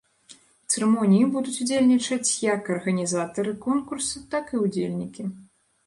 У цырымоніі будуць удзельнічаць як арганізатары конкурса, так і ўдзельнікі.